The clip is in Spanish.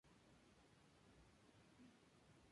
Cada flor crece en un largo tallo verde, sin hojas.